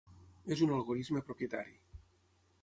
És un algorisme propietari.